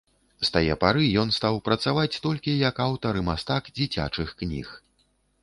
З тае пары ён стаў працаваць толькі як аўтар і мастак дзіцячых кніг.